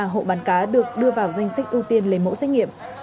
tám mươi ba hộ bán cá được đưa vào danh sách ưu tiên lấy mẫu xét nghiệm